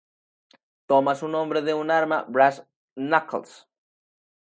Toma su nombre de un arma brass knuckles.